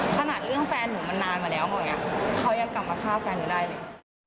ขนาดเรื่องแฟนหนูมันนานมาแล้วอย่างนี้เขายังกลับมาฆ่าแฟนหนูได้เลย